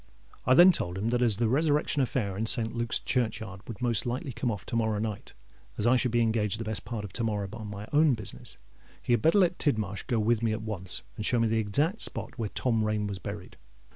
I then told him that as the resurrection affair in St. Luke's churchyard would most likely come off to morrow night, and as I should be engaged the best part of to morrow on my own business, he had better let Tidmarsh go with me at once and show me the exact spot where Tom Rain was buried.